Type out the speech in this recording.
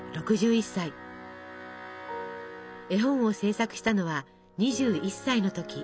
絵本を制作したのは２１歳の時。